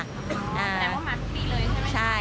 อ๋อแปลว่ามาทุกปีเลยค่ะ